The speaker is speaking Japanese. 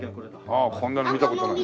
ああこんなの見た事ない。